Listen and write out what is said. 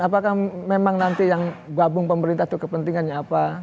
apakah memang nanti yang gabung pemerintah itu kepentingannya apa